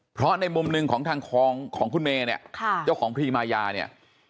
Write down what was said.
เพราะในมุมหนึ่งของทางของคุณเมย์เนี่ยเจ้าของพรีมายาเนี่ย